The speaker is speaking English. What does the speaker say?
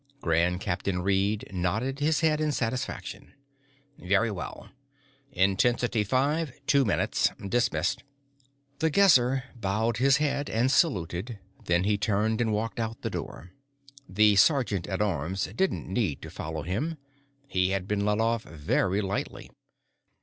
Grand Captain Reed nodded his head in satisfaction. "Very well. Intensity Five, two minutes. Dismissed." The Guesser bowed his head and saluted, then he turned and walked out the door. The sergeant at arms didn't need to follow him; he had been let off very lightly.